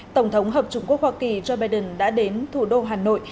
tổng thống hợp chủng quốc hoa kỳ joe biden đã đến thủ đô hà nội